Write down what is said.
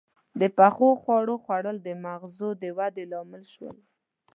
• د پخو خوړو خوړل د مغزو د ودې لامل شول.